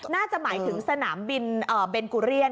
น่าจะหมายถึงสนามบินเบนกุเรียน